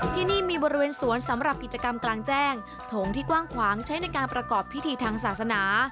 ที่นี่มีบริเวณสวนสำหรับกิจกรรมกลางแจ้งโถงที่กว้างขวางใช้ในการประกอบพิธีทางศาสนา